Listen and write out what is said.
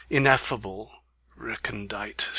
Ineffable! Recondite!